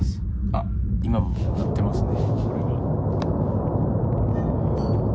あっ、今もなってますね。